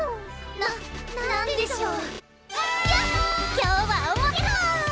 な何でしょう？